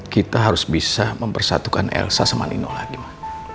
kita harus bisa mempersatukan elsa sama nino lagi